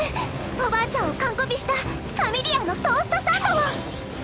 おばあちゃんを完コピした「Ｆａｍｉｌｉａ」のトーストサンドを！